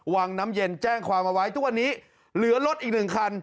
วังน้ำเย็นแจ้งความเอาไว้ทุกวันนี้เหลือรถอีกหนึ่งคัน